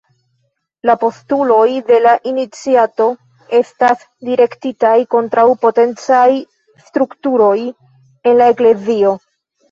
La postuloj de la iniciato estas direktitaj kontraŭ potencaj strukturoj en la eklezio.